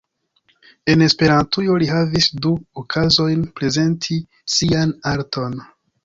En Esperantujo li havis du okazojn prezenti sian arton.